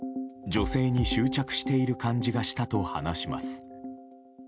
女性に執着している感じがしたと話します。